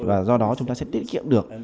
và do đó chúng ta sẽ tiết kiệm được